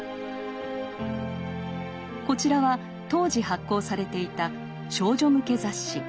こちらは当時発行されていた少女向け雑誌。